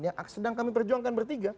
ya sedang kami perjuangkan bertiga